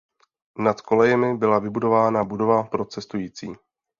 Nad kolejemi byla vybudována budova pro cestující.